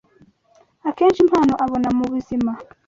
akesha impano abona mu buzima